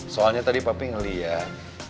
soalnya tadi papi ngelihat